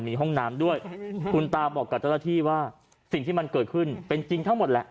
มีห้องน้ำด้วยคุณตาบอกกับเจ้าหน้าที่ว่าสิ่งที่มันเกิดขึ้นเป็นจริงทั้งหมดแหละ